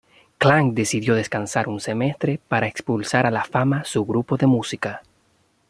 Klang decidió descansar un semestre para expulsar a la fama su grupo de música.